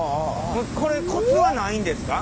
これコツはないんですか？